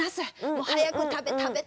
もう早く食べ食べ食べ！」。